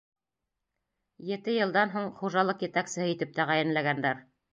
Ете йылдан һуң хужалыҡ етәксеһе итеп тәғәйенләгәндәр.